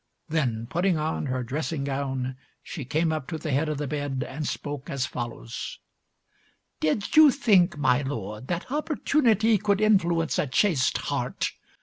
Then, putting on her dressing gown, she came up to the head of the bed and spoke as follows "Did you think, my lord, that opportunity could influence a chaste heart?